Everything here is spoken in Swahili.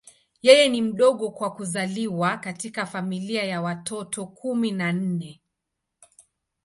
Yeye ni mdogo kwa kuzaliwa katika familia ya watoto kumi na nne.